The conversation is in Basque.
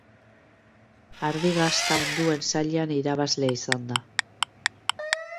Ardi gazta onduen sailean irabazle izan da.